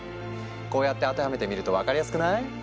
こうやって当てはめてみると分かりやすくない？